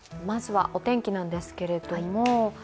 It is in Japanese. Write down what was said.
まずはお天気なんですけど。